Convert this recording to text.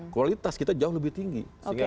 kualitas kita jauh lebih tinggi